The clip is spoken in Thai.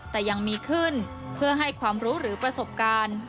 แต่ยังมีขึ้นเพื่อให้ความรู้หรือประสบการณ์